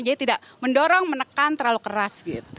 tidak mendorong menekan terlalu keras gitu